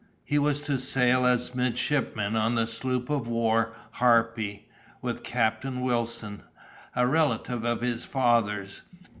He was to sail as midshipman on the sloop of war Harpy, with Captain Wilson, a relative of his father's.